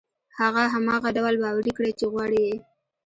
هغه هماغه ډول باوري کړئ چې غواړي يې.